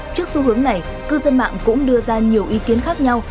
trước xu hướng này cư dân mạng cũng đưa ra nhiều ý kiến khác nhau